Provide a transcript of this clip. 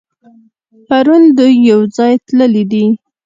پرون دوی يوځای تللي دي.